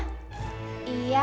ma'am masih cantik ya